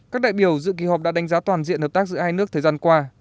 các đại biểu dự kỳ họp đã đánh giá toàn diện hợp tác giữa hai nước thời gian qua